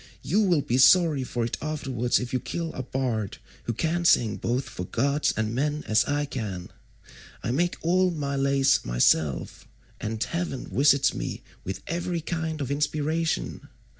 You will be sorry for it afterwards if you kill a bard who can sing both for gods and men as I can. I make all my lays myself, and heaven visits me with every kind of inspiration.